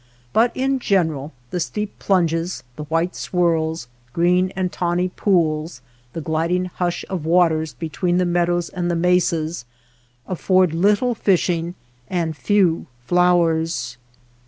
But in general the steep plunges, the white swirls, green and tawny pools, the gliding hush of waters between the meadows and the mesas afford little fish [no and few flowers.